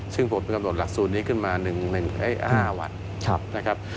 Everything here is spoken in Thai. ซึ่งผมกำหนดหลักสูตรนี้ขึ้นมา๑๕วันนะครับ